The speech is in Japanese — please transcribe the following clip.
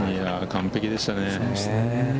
完璧でしたね。